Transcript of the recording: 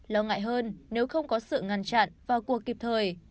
lo ngại hơn nếu không có sự ngăn chặn và cuộc kịp thời